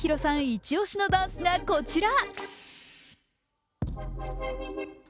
イチ押しのダンスがこちら。